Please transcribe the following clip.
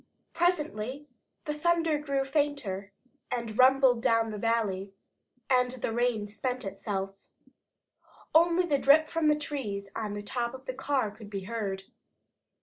Presently the thunder grew fainter, and rumbled away down the valley, and the rain spent itself. Only the drip from the trees on the top of the car could be heard.